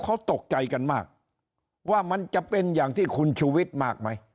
เขาตกใจกันมากว่ามันจะเป็นอย่างที่คุณชูวิทย์มากไหม